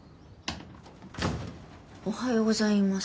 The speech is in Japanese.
おはようございます。